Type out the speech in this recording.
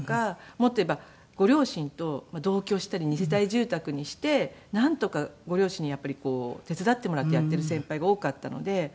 もっと言えばご両親と同居したり２世帯住宅にしてなんとかご両親にやっぱり手伝ってもらってやっている先輩が多かったので。